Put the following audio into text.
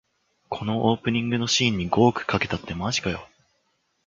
このオープニングのシーンに五億かけたってマジかよ